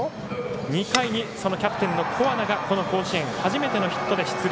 ２回にキャプテンの古和田がこの甲子園初めてのヒットで出塁。